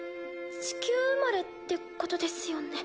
地球生まれってことですよね？